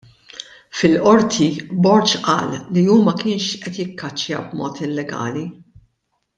Fil-Qorti Borg qal li hu ma kienx qed jikkaċċja b'mod illegali.